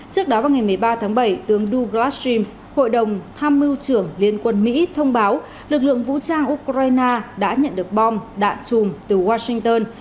trước đó vào ngày một mươi ba tháng bảy tướng du krastreams hội đồng tham mưu trưởng liên quân mỹ thông báo lực lượng vũ trang ukraine đã nhận được bom đạn chùm từ washington